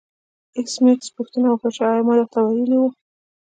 ایس میکس پوښتنه وکړه چې ایا ما درته ویلي وو